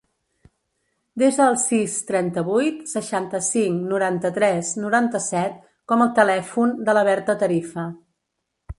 Desa el sis, trenta-vuit, seixanta-cinc, noranta-tres, noranta-set com a telèfon de la Berta Tarifa.